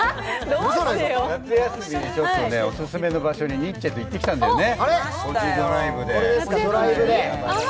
夏休み、オススメの場所にニッチェと一緒に行ってきたんだよね、「コジドライブ」で。